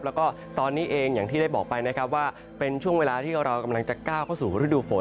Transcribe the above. แล้วก็ตอนนี้เองอย่างที่ได้บอกไปนะครับว่าเป็นช่วงเวลาที่เรากำลังจะก้าวเข้าสู่ฤดูฝน